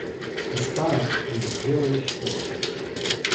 The style is very short.